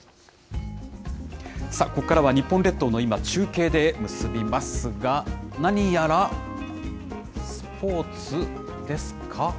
ここからは日本列島の今、中継で結びますが、何やら、スポーツですか。